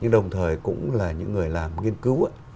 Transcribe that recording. đồng thời cũng là những người làm nghiên cứu